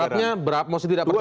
saratnya berapa mosi tidak percaya